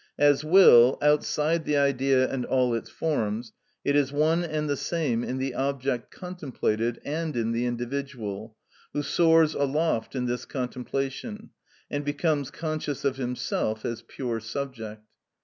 As will, outside the idea and all its forms, it is one and the same in the object contemplated and in the individual, who soars aloft in this contemplation, and becomes conscious of himself as pure subject.